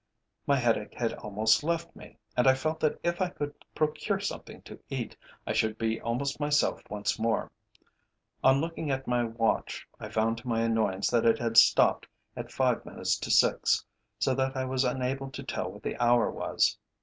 My headache had almost left me, and I felt that if I could procure something to eat I should be almost myself once more. On looking at my watch I found to my annoyance that it had stopped at five minutes to six, so that I was unable to tell what the hour was.